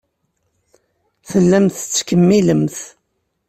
Tellamt tettkemmilemt.